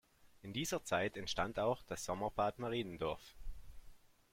In dieser Zeit entstand auch das Sommerbad Mariendorf.